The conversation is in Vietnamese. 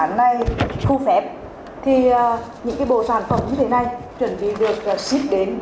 bằng này thu phép thì những cái bồ sản phẩm như thế này chuẩn bị được ship đến